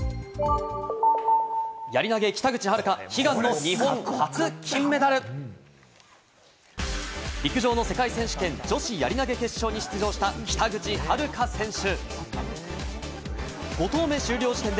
やり投げ・北口榛花、悲願の陸上の世界選手権・女子やり投げ決勝に出場した北口榛花選手。